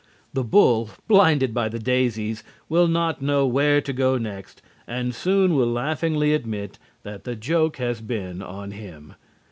The bull, blinded by the daisies, will not know where to go next and soon will laughingly admit that the joke has been on him.